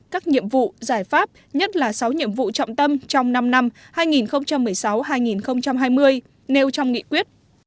các nhiệm vụ giải pháp nhất là sáu nhiệm vụ trọng tâm trong năm năm hai nghìn một mươi sáu hai nghìn hai mươi nêu trong nghị quyết